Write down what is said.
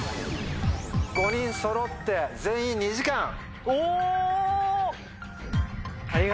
５人そろって全員「２時間」。